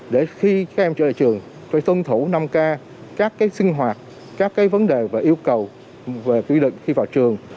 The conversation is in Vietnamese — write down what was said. để khi các em trở lại trường tôi tuân thủ năm k các cái sinh hoạt các cái vấn đề và yêu cầu về quy định khi vào trường